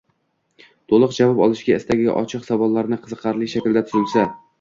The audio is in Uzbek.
To‘liq javob olish istagida ochiq savollarni qiziqarli shaklda tuzilsa